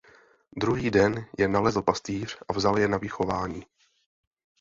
Druhý den je nalezl pastýř a vzal je na vychování.